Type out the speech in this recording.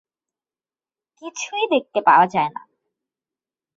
কিছুই দেখতে পাওয়া যায় না।